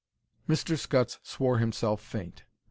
Mr. Scutts swore himself faint.